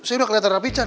saya udah keliatan rapican